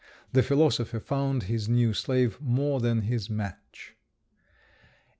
The philosopher found his new slave more than his match.